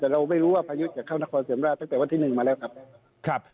แต่เราไม่รู้ว่าพายุจะเข้านครเสริมราชตั้งแต่วันที่๑มาแล้วครับ